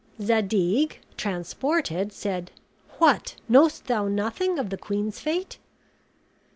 Zadig, transported, said, "What, knowest thou nothing of the queen's fate?"